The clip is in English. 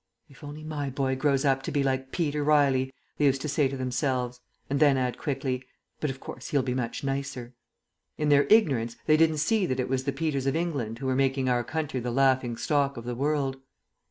"If only my boy grows up to be like Peter Riley!" they used to say to themselves; and then add quickly, "But of course he'll be much nicer." In their ignorance they didn't see that it was the Peters of England who were making our country the laughing stock of the world.